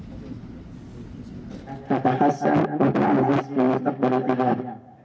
bapak hasan bapak hasan bapak hasan